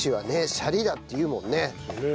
シャリだって言うもんね。